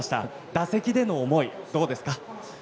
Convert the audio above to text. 打席での思い、どうですか？